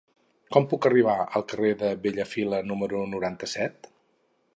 Com puc arribar al carrer de Bellafila número noranta-set?